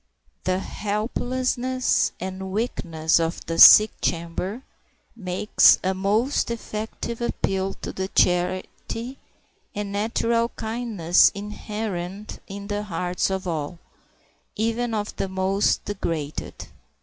The helplessness and weakness of the sick chamber makes a most effective appeal to the charity and natural kindness inherent in the hearts of all, even of the most degraded.